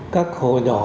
các hồ nhỏ